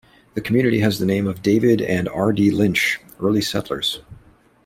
The community has the name of David and R. D. Lynch, early settlers.